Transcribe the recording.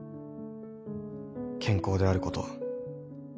健康であること。